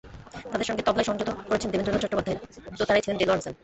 তাঁদের সঙ্গে তবলায় সংগত করেছেন দেবেন্দ্রনাথ চট্টোপাধ্যায়, দোতারায় ছিলেন দেলোয়ার হোসেন।